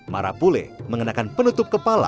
marapule mengenakan penutup kaki yang berwarna merah